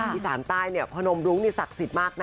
ที่สานใต้พนมรุงนี่ศักดิ์สิทธิ์มากนะ